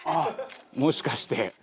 「もしかして」